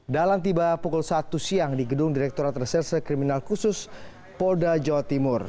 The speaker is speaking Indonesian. dalan tiba pukul satu siang di gedung direkturat reserse kriminal khusus polda jawa timur